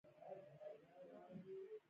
ایا ستاسو مربا به خوږه وي؟